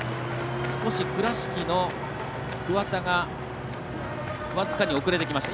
少し倉敷の桑田が僅かに遅れてきました。